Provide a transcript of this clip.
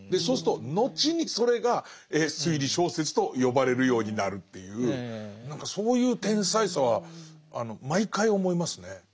そうすると後にそれが推理小説と呼ばれるようになるっていう何かそういう天才さは毎回思いますね。